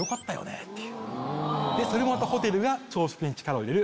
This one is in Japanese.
それもホテルが。